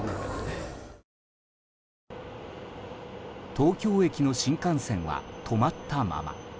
東京駅の新幹線は止まったまま。